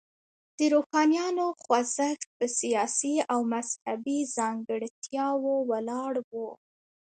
د روښانیانو خوځښت په سیاسي او مذهبي ځانګړتیاوو ولاړ و.